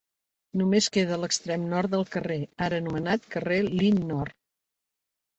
Només queda l'extrem nord del carrer, ara anomenat carrer Lynn nord.